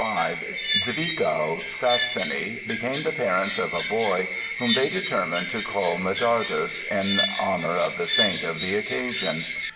5, Zwickau, Saxony, became the parents of a boy whom they determined to call Medardus, in honor of the saint of the occasion.